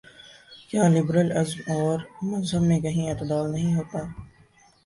کیا liberalism اور مذہب میں کہیں اعتدال نہیں ہوتا؟